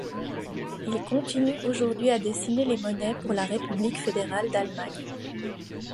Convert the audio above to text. Ils continuent aujourd'hui à dessiner les monnaies pour la République fédérale d'Allemagne.